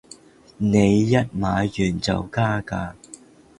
你一買完就加價